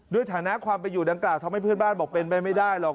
ฐานะความไปอยู่ดังกล่าวทำให้เพื่อนบ้านบอกเป็นไปไม่ได้หรอก